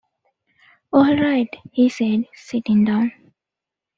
“All right,” he said, sitting down.